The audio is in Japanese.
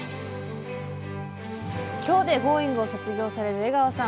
今日で「Ｇｏｉｎｇ！」を卒業される江川さん。